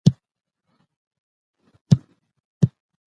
اکسیجن د دماغ د فعالیت لپاره مهم دی.